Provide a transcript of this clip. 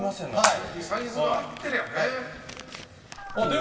サイズが合ってりゃね。